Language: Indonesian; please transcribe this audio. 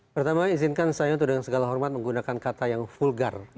pertama izinkan saya untuk dengan segala hormat menggunakan kata yang vulgar